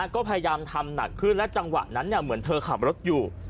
ก็พยายามทำหนักขึ้นและจังหวะนั้นเหมือนเธอขับรถอยู่